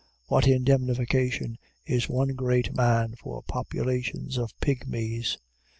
What indemnification is one great man for populations of pygmies!